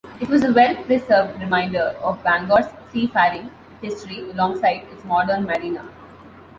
It is a well-preserved reminder of Bangor's seafaring history alongside its modern marina.